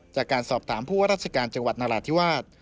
จากการสอบถามผู้ว่าราชการจังหวัดนราธิวาส